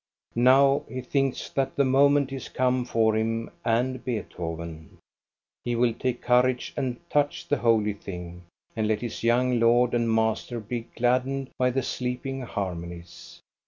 Now he thinks that the moment is come for him and Beethoven. He will take courage and touch the holy thing, and let his young lord and master be glad dened by the sleeping harmonies.